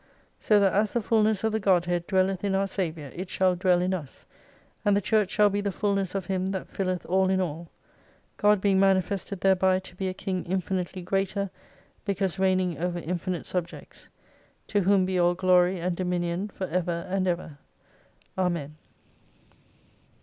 So that as the fulness of the Godhead dwelleth in our Saviour, it shall dwell in us ; and the Church shall be the fulness of Him that filleth all in all : God being manifested thereby to be a king infinitely greater, because reigning over infinite subjects. To Whom be all glory and dominion for ever and ever. Amen.